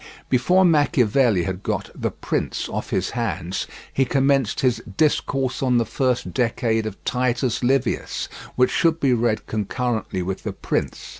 Before Machiavelli had got The Prince off his hands he commenced his "Discourse on the First Decade of Titus Livius," which should be read concurrently with The Prince.